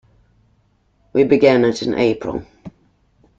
We began it in April.